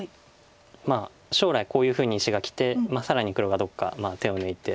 まあ将来こういうふうに石がきて更に黒がどっか手を抜いて。